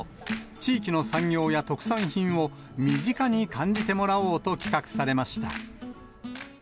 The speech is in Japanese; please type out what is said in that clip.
地域の産業や特産品を身近に感じてもらおうと企画されました。